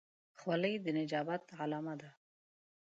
خولۍ د نجابت علامه ده.